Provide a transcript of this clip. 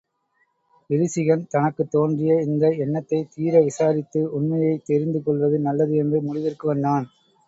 விரிசிகன் தனக்குத் தோன்றிய இந்த எண்ணத்தைத் தீர விசாரித்து, உண்மையைத் தெரிந்து கொள்வது நல்லது என்ற முடிவிற்கு வந்தான்.